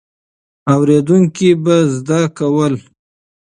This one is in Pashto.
اورېدونکي به زده کول.